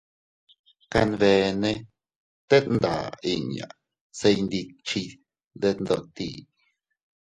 Kanbene tet nda inña se iyndikchiy detndote.